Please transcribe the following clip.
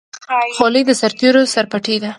خولۍ د سرتېرو سرپټۍ ده.